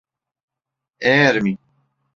Eğer mi?